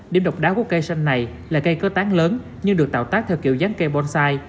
điểm độc đáo của cây xanh này là cây cớ tán lớn nhưng được tạo tác theo kiểu dáng cây bonsai